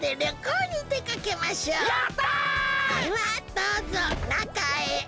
ではどうぞなかへ！